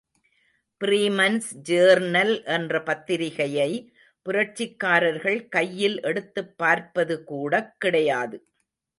Freeman's journal என்ற பத்திரிகையை புரட்சிக்காரர்கள் கையில் எடுத்துப் பார்ப்பது கூடக்கிடையாது.